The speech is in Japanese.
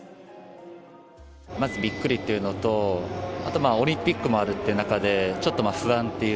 まず、びっくりっていうのと、あとまあ、オリンピックもあるという中で、ちょっと不安っていう。